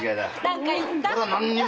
何か言った？